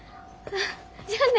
じゃあね。